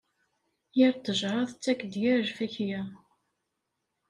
Yir ttejṛa tettak-d yir lfakya.